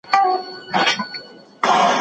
ماشومانو ته د کاغذ د بې ځایه لګولو مخه ونیسئ.